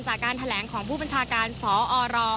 จากการแถลงของผู้บัญชาการสอร